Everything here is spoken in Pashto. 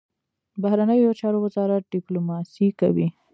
بهرنیو چارو وزارت ډیپلوماسي کوي